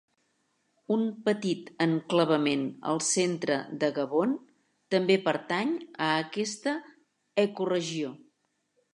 Un petit enclavament al centre de Gabon també pertany a aquesta ecoregió.